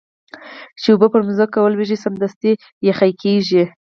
چې اوبه پر مځکه ولویږي سمدستي کنګل شي.